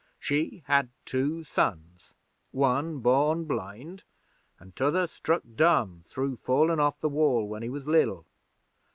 She had two sons one born blind, an' t'other struck dumb through fallin' off the Wall when he was liddle.